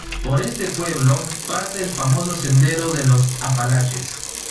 Por este pueblo, pasa el famoso Sendero de los Apalaches.